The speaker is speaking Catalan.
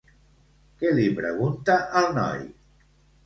Què li pregunta al noi?